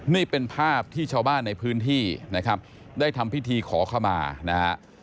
นี่เป็นภาพที่ชาวบ้านในพื้นที่นะครับได้ทำพิธีขอขมานะฮะ